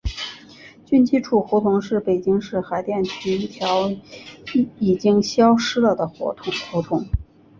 军机处胡同是北京市海淀区一条已经消失了的胡同。